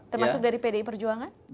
termasuk dari pdi perjuangan